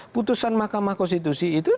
putusan mahkamah konstitusi itu